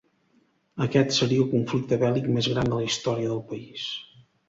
Aquest seria el conflicte bèl·lic més gran de la història del país.